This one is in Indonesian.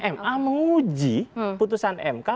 ma menguji putusan mk